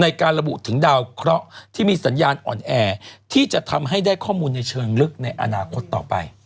ในการระบุถึงดาวเคราะห์ที่มีสัญญาณอ่อนแอที่จะทำให้ได้ข้อมูลในเชิงลึกในอนาคตต่อไป